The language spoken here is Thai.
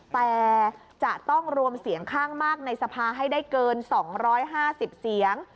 แต่จะต้องรวมเสียงข้างมากในสภาให้ได้เกิน๒๕๐เสียง